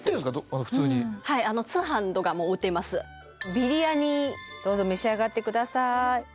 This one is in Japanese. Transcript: ビリヤニどうぞ召し上がってください。